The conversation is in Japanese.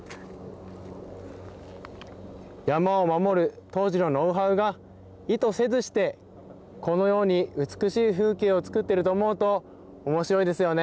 山を守る当時のノウハウが意図せずしてこのように美しい風景を作っていると思うと面白いですよね。